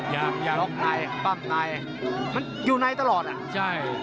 อย่าล็อกในปั้งในมันอยู่ในตลอดอ่ะใช่